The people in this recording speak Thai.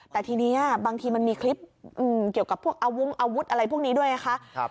แต่ทีนี้บางทีมันมีคลิปเกี่ยวกับพวกอาวงอาวุธอะไรพวกนี้ด้วยนะคะ